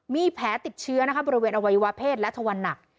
มีแผลติดเชื้อบริเวณอวัยวะเพศและทวันหนัก